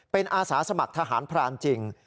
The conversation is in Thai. เป็นอาสาสมัครทหารพรานจริง